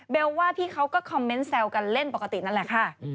ว่าพี่เขาก็คอมเมนต์แซวกันเล่นปกตินั่นแหละค่ะ